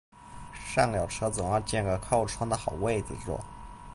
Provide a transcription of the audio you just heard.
上了車總要揀個靠窗的好位置坐